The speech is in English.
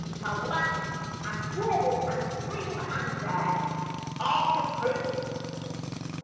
To laugh and warble and dream and dare Are to prove!